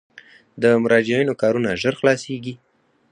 د مراجعینو کارونه ژر خلاصیږي؟